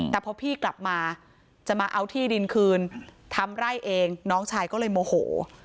แต่พอพี่กลับมาจะมาเอาที่ดินคืนทำไร่เองน้องชายก็เลยโมโห